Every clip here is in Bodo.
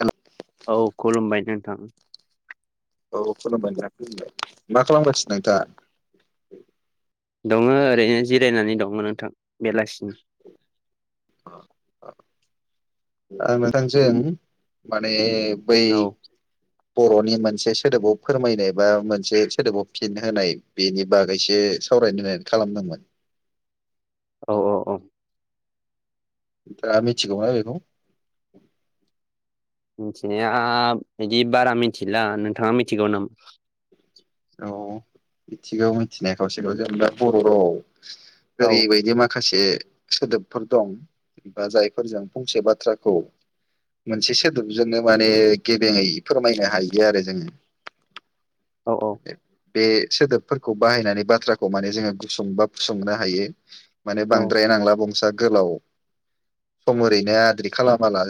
हेल' औ खुलुमबाय नोंथां औ खुलुमबाय [unintelligible] खालामगासिनो नोंथाङा? दङ ओरैनो जिरायनानै दङ नोंथां बेलासिनि [inaudible] आं नोंथांजों माने बै औ बर'नि मोनसे सोदोबाव फोरमायनाय बा मोनसे सोदोबाव फिन होनाय बेनि बागैसो सावरायनो होननानै खालामदोंमोन। [inaudible] औ औ औ दामिथिगमा बेखौ मिथिनाया बिदि बारा मिथिला नोंथाङा मिथिगौ नामा? अ मिथिगौ मिथिनाया खावसेखौ जेनेबा बर' राव औ ओरैबायदि माखासे बे सोदोबफोर दं बा जायफोरजों फंसे बाथ्राखौ मोनसे सोदोबजोंनो माने, गेबेङै फोरमायनो हायो आरो जोङो। औ औ। बे सोदोब फोरखौ बाहायनानै बाथ्राखौ माने जोङो गुसुं बा फुसुंनो हायो। माने औ बांद्राय नांला बंसा गोलाव, सम ओरैनो आद्रि खालामाला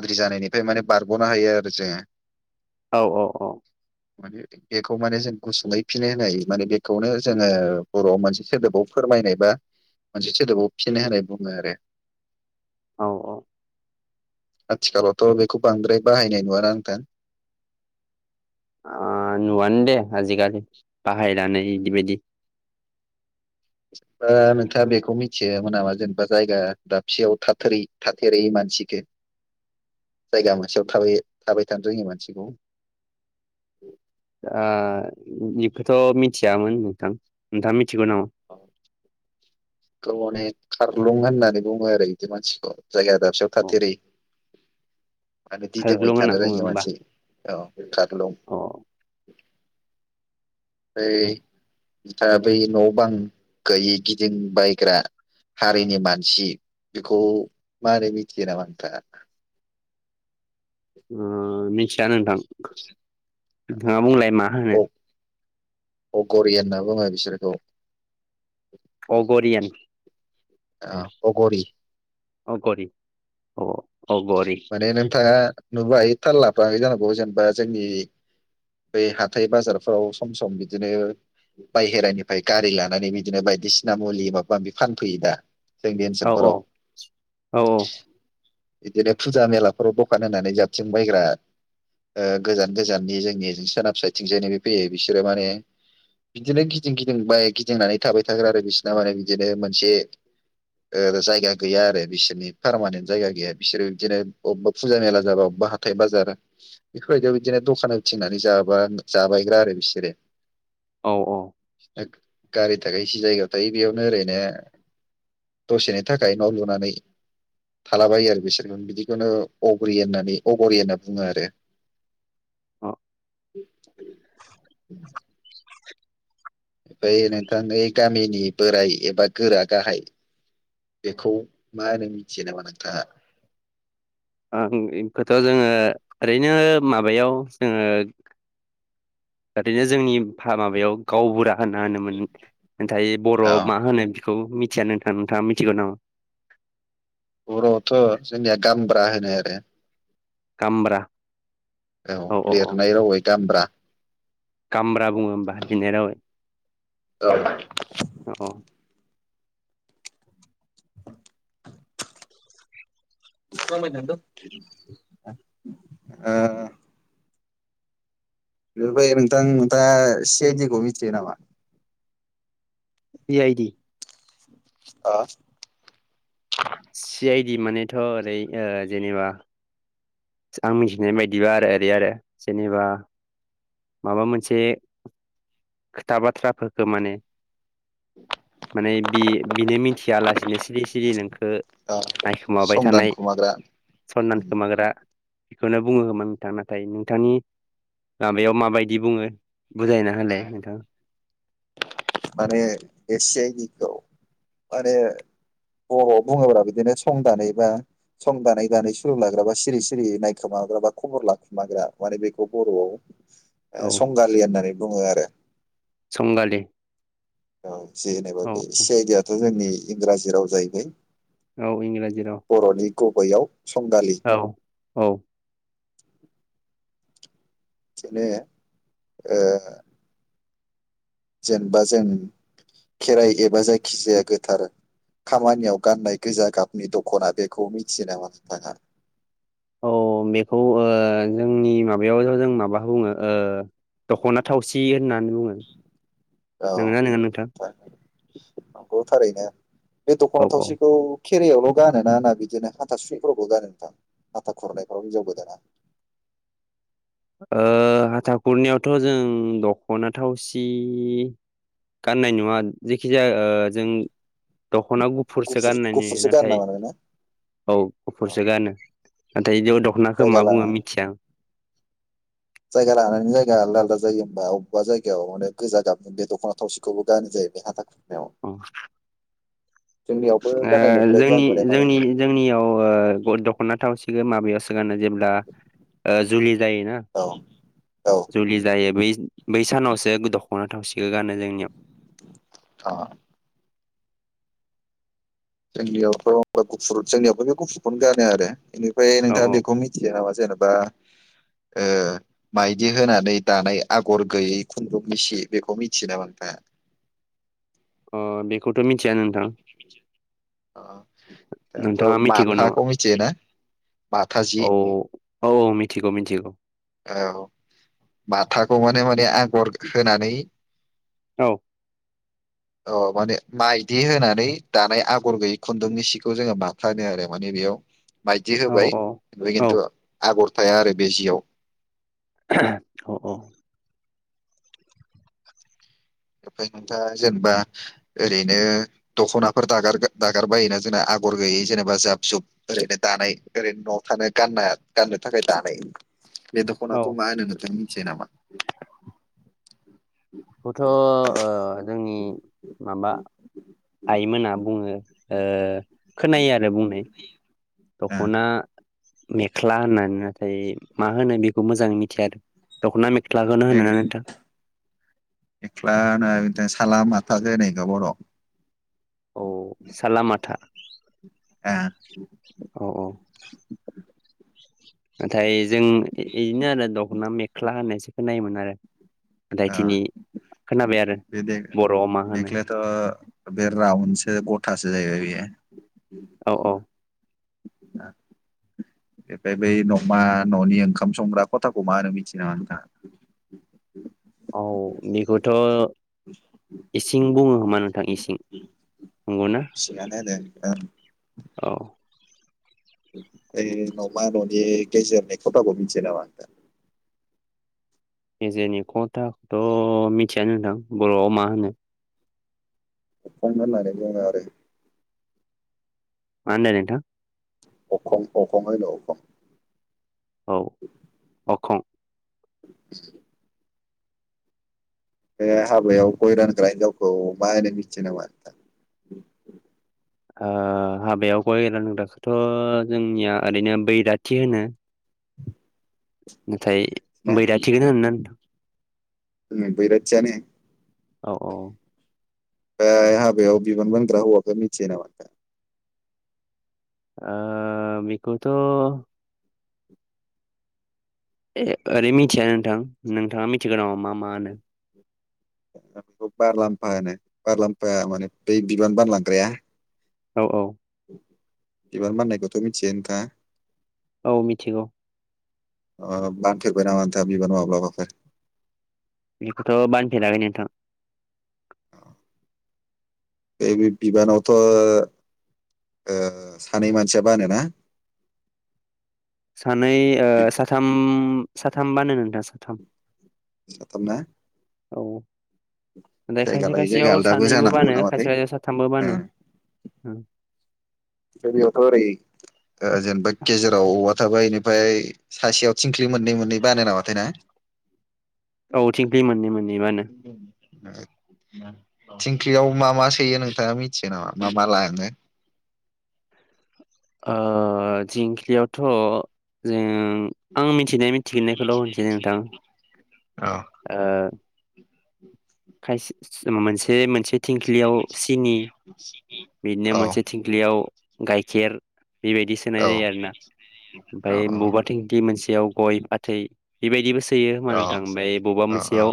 आद्रि जानायनिफ्राय माने बारग'नो हायो आरो जोङो। औ औ औ। मानि इथिं। बेखौ, माने जों गुसुङैफिन होनो होयो। माने बेखौ नो जोङो, बर'आव मोनसे सोदोबाव फोरमायनाय बा मोनसे सोदोबाव, फिन होनाय बुङो आरो। औ अव। आथिखालावथ' बेखौ बांद्राय बाहायनाय नुवाना नोंथां। आङ, नुवानो दे आजिखालि बाहायनानै इदि बायदि। ा नोंथाङा बेखौ मिथियामोन नामा जेनेबा जायगा दाबसेयाव थाथेरै थाथेरै माने सिखार। जायगा मोनसेयाव थाबे, थाबाय थानो रोङै मानसिखौ। ओ, इख'थ मिथियामोन नोंथां, नोंथाङा मिथिगोन नामा? ओव थरमाने खारलुं होननानै बुङो आरो बिदि मानसिखौ। जायगा दाबसेयाव औ थाथेरै। मानो दिदोमबाय खारग्लुं होनना थानो बुङो रोङि होमबा मानसि, औ खारलुं। अ ओ ऐ, बिथा बै न' बां गैयि गि दिं बाय ग्रा। हारिनि मानसि, बेखौ मारै मिथियो नामा नोंथाङा? ओ म, मिथिया नोंथां। मोथिदों। नोंथाङा बुंलाय मा होनो? अक'रिय न होनना बुङो बिसोरखौ। अगरियान आ अग'रि। अ ग' रि अ। अगरि माने नोंथाङा नुथाय, थाल लाफ्लाङाखै जानांगौ जेनेबा जोंनि, बे हाथाय बाजार फ्राव सम सम बिदिनो। बायहेरानिफाय गारि लानानै बिदिनो बायदिसिना, मुलि माबा-माबि फानफैयो दा। जोंनि ओ ओनसोलफोराव अ, औ -औ। एदिनो फुजा मेलाफ्राव दखान होनानै जाबथिं बायग्रा। ओ गोजान गोजाननि जोंनि सोनाब साथिंजाय फैयो। बिसोरो माने, बिदिनो गिदिं गिदिं बाय गिदिंनानै थाबाय थागोन आरो बिसिना माने बिदिनो मोनसे। ओ जायगा गैया आरो बिसोरनि पारमानेन्ट जायगा गैया। बिसोरो बिदिनो, अबेबा फुजा, मेला जाबा अबेबा हाथाय- बाजार, बेफोरबायदियाव बिदिनो दखान होबथिंनानै जा। माबां जाबाय ग्रा आरो बिसोरो। औ अ। होग' गारि थाखाय एसे जायगायाव थायो। बेयावनो ओरैनो, दसेनि थाखाय न' लुनानै, थालाबायो आरो। बिसोर बिदिखौनो अगुरि होननानै अगरि होनना बुङो आरो। अ थोक ढोल ताक गम बै नोंथानि, गामिनि बोराय एबा गोरा गाहाइ। बे खौ मा होनो? मिथियो नामा नोंथाङा। ओङ, इनखौथ' जोङो ओरैनो, माबायाव जोङो। इथेइनो जोंनि फा माबायाव। गावबुरा होना-होनोमोन, दायो बर' औ मा होनो? बमिथियानो नोंथाङा नोंथाङा मिथिगौ नामा बर'आवथ' जोंनिया गामब्रा होनो आरो। हाम्रा। औ। लेरनायाव अवश्य दामब्रा? खाम्रा बुङो होमबा हिनदी रावै। औ। औ औ [inaudible] ओ बेफोरखौ नोंथां नोंथाङा दा सि आ दिखौ मिथियो नामा? सि आइदि आ। सि आइ डि मानेथ' ओरै ओ जेनेबा आं मिथिनाय बायदिबा आरो ओरै आरो जेनेबा माबा मोनसे खोथा बाथ्राफोरखौ माने माने बि बिनो मिथिया लासिनो सि सिरि सिरि नोंखौ नायखोमाबाय संदान थानाय खुमाग्रा सनमान खोमाग्रा बेखौनो बुङो होमोन नोंथां नाथाय नोंथांनि माबायाव माबायदि बुङो? बुजायना हालाय माने बे सि आइ दि खौ माहोनो अह बुङोब्ला बिदिनो सं दानैबा सं दानै दानै सुु लाग्र बा सिरि सिरि नायखोमाग्रा बा खबर लाखुमाग्रा माने बेखौ बर'आव औ संगालि होननानै बुङो आरो। संगालि। औ। जों जेनेबा औ बे सि आइडि याथ' जोंनि इंराजि राव जाहैबाय। औ इंराजि राव। गयाव। औ औ। बिनो ओ जेनेबा जों खेराइ एबा जायखिजाया गोथार खामानियाव गाननाय गोजा गाबनि दख'ना बेखौ मिथियो नामा? औ बेखौ जोंनि माबायावथ' जों माबा बुङो ओ दख'ना थावसि होननानै बुङो औ नंङा ननोङा नोंथां? नंगौ थारैनो बे दख'ना औ औ थावसिखौ खेरायावल' गानोना होना बिदिनो हाथा सुैफोरावबो गानो नोंथां हाथा खुरनायफ्राव हिनजाव गोदाना। [inaudible] हाथा खुरनियावथ' जों दख'ना थावसि गाननाय नुवा। जेखिजाया जों दख'ना गुफुरसो गुफुर गाननायनि गुफुरसो गानो नाथाय नामा नोंना औ औ गुफुरसो गानो। नाथाय जौ दख'नाखौ मा जायगा लानानै बुङो मिथिया आं। जायगा लानानै जायगा आलदा आलदा जायो। होमबा अबेबा जायगायाव माने गोजा गाबदों बे दख'ना थावसिखौबो गानो जायो। हाथासु औ। जोंनियावबो ओ गाननाय नुफेराखै आं जोंनि माने माने जोंनि ओ जोंनियाव दख'ना थावसिखो माबायावसो गानो जेब्ला जुलि जायोना। औ औ जुलि जायो बै बै सानावसो द दखना थावसिखौ गानो जोंनियाव। अ जोंनियावथ'बा गुफुर जोंनियावथ' बे गुफुरखौनो गानो आरो। ओमफ्राय औ नोंथाङा औ बेखौ मिथियो नामा जेनेबा ओ माइदि होनानै दानाय आगर गैयै खुन्दुं मिसि बेखौ मिथियो नामा नोंथाङा? [inaudible] अ बेखौ नोंथाङा अह मिथिगौ नामा माथाखौ मिथियो ना? औ औ औ मिथिगौ मिथिगौ। औ माथाखौ माने माने आ गर होनानै औ अ माने माइदि होनानै दानाय आगर गैयै खुन्दुंनि सिखौ जोङो माथा होनो आरो माने बेयाव माइदि औ होबाय फ्राय औ खिन्थु आगर थाया आरो बे जियाव औ औ ओमफ्राय नोंथां जेनेबा ओरैनो दख'नाफोर दागार दागार बायोना जोंना। आगर गैयै जेनेबा जाब जुब ओरैनो दानाय ओरैनो न'आव थानो गानना गाननो थाखाय दानाय। बे औ दखनाखौ मा होनो नोंथां मिथियो नामा? बेखौथ' ओ जोंनि माबा आइमोना बुङो। ओ खोनायो आरो बुंनाय ओ दख'ना मेख्ला होननानै, नाथाय मा होनो बेखौ मोजाङै मिथिया आरो दख'ना मेख्लाखौनो होना मे- नोंथां। मेख्ला होनो बिदिनो साला माथा जे होनो बर'आव औ साला माथा। ओ औ औ नाथाय जों इदिनो आरो दख'ना मेख्ला होननायसो खोननायोमोन आरो ओ जायखिनि बे देख्लाया मेख्लायाथ' बे रावनसो गथासो। [unintelligible] औ औ ओ बेनिफ्राय बै न'मा न'नि ओंखाम संग्रा खथाखौ मा होनो मिथि नामा नोंथाङा? [inaudible] औ बेखौथ'। इसिं बुङो खोमा नोंथां इसिं नंगौ ना? ओ औ बै नमा ननि गेजेरनि खथाखौ मिथियो नामा नोंथां? गेजेरनि खथाखौथ' मिथियानो नोंथां बर'आव मा। अखं होननानै बुङो आरो। मा होनदों नोंथां? अखं अखं होनो अखं। औ अखं। [inaudible] बे हाबायाव गय रानग्रा हिनजावखौ मा होनो मिथियो नामा नोंथां? ओ हाबायाव गय रानग्राखौथ' जोंनिया ओरैनो बैराथि होनो। नाथाय बैरा थिखोनो होनना नोंथां? ओम बैराथियानो।। औ औ ओमफ्राय हाबायाव बिबान मोनग्रा हौवाखौ मिथियो नामा? आ बेखौथ' ए ओरै मिथिया नोंथां नोंथाङा मिथिगोनामा मा मा होनो। बेखौ बारलाम्फा होनो बारलाम्फाया माने बै बिबान बानलांग्राया। औ औ बिबान माननायखौथ' मिथियो नोंथाङा? औ मिथिगौ। अ बाथोबाय नामा माब्लाबाफोर? बेखौथ' बानफेराखै नोंथां। बे बिबानावथ' ओ सानै मानसिया बानोना। सानै बिब्दि साथाम साथामबानो नोंथां साथाम। साथामना। औ। जायगा खायसे लायै जायगा खायसेयाव आलदाबो सानैबो जानो हागौ बानो खायसे नामाथाय खायसेयाव साथामबो बानो ओम। जोंनियावथ' ओरै जेनेबा गेजेराव औवा थाबाय। ओमफ्राय सासेयाव थिंख्लि मोननै मोननै बानाय नामाथाय ना? औ थिंख्लि मोननै मोननै बानो [unintelligible] [inaudible] थिंख्लियाव मा मा सोयो नोंथाङा मिथियो नामा मा मा लाङो? [inaudible] [unintelligible] ओ थिंख्लियावथ' जोङो आं मिथिनाय मिथिनायखौल' होनसै नोंथां। औ ओह। खायसे म मोनसे बे मोनसे थिंख्लियाव सिनि बिदिनो औ मोनसे थिंख्लियाव गाइखेर बेबायदि सोनाय औ जायो आरो ना औ ओमफ्राय बबावबा थिंखि मोनसे याव गय फाथै बेबायदिबो सोयो मा औ नोंथां ओमफ्राय बबेबा औ मोनसेयाव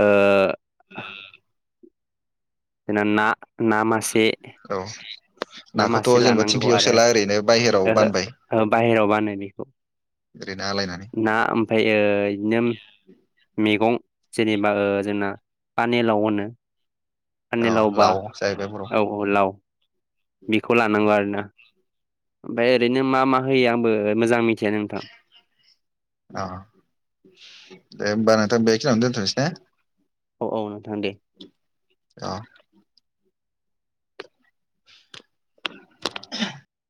ओह ज ना ना मासे औ नाखौथ' नामासे जेनेबा लानांगौ थिंख्लियाव आरो सोला ओरैनो बाहेराव बानबाय ओहो बाहेराव बानायनायखौ। ओरैनो आलायनानै ना ओमफ्राय बिदिनो मैगं। जेनेबा जोंना पानेलाव अनो। अ पानि लावबा लाव जाहैबाय बर'आव औ औ लाव। बेखौ लानांगौ आरोना ओमफ्राय ओरैनो मा मा होयो आंबो मोजां मिथि औ। दे होमबा नोंथां बेखिनियावनो दोनथनोसै ने। औ औ नोंथां दे। अ [inaudible] [unintelligible]